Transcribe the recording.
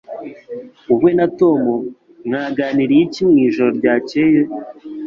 Wowe na Tom mwaganiriye iki mwijoro ryakeye